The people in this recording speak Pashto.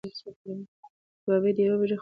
کبابي د یوې بجې خبرونو ته خپل غوږ نږدې کړ.